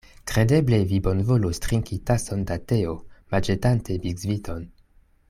Kredeble vi bonvolos trinki tason da teo, manĝetante biskviton?